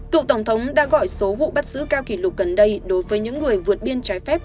cựu tổng thống đã gọi số vụ bắt giữ cao kỷ lục gần đây đối với những người vượt biên trái phép